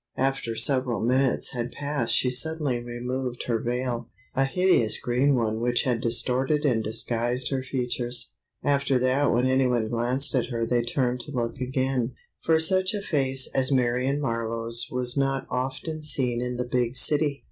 After several minutes had passed she suddenly removed her veil—a hideous green one which had distorted and disguised her features. After that when any one glanced at her they turned to look again, for such a face as Marion Marlowe's was not often seen in the big city.